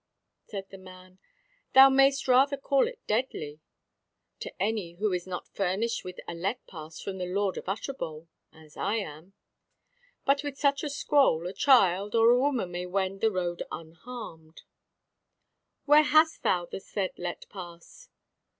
Said the man: "Thou mayst rather call it deadly, to any who is not furnished with a let pass from the Lord of Utterbol, as I am. But with such a scroll a child or a woman may wend the road unharmed." "Where hast thou the said let pass?"